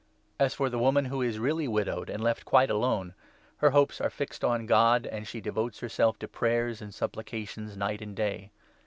As for the 5 woman who is really widowed and left quite alone, her hopes are fixed on God, and she devotes herself to prayers and supplica tions night and day.